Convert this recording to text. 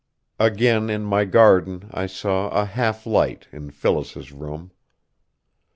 Again in my garden I saw a half light in Phyllis's room.